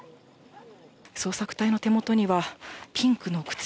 捜索隊の手元には、ピンクの靴。